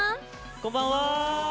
こんばんは。